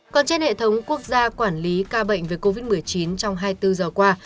còn trên hệ thống quốc gia quản lý ca bệnh về covid một mươi chín trong hai mươi bốn giờ qua